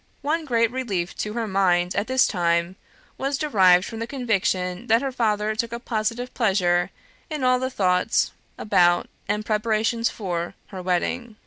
One great relief to her mind at this time was derived from the conviction that her father took a positive pleasure in all the thoughts about and preparations for her wedding.